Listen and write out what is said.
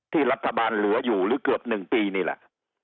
ที่รัฐบาลเหลืออยู่หรือเกือบ๑ปีนี่แหละ